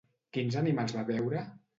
Quins animals va veure?